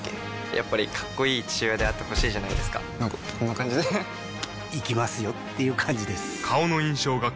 やっぱりかっこいい父親であってほしいじゃないですかなんかこんな感じで行きますよっていう感じです